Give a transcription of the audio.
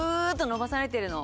伸ばされてます。